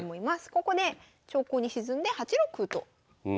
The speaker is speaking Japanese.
ここで長考に沈んで８六歩と打たれました。